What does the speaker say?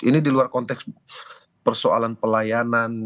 ini di luar konteks persoalan pelayanan